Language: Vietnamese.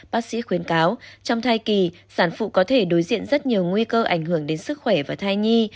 bác sĩ khuyến cáo trong thai kỳ sản phụ có thể đối diện rất nhiều nguy cơ ảnh hưởng đến sức khỏe và thai nhi